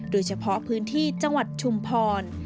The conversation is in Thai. โดยเฉพาะพื้นที่จังหวัดชุมพร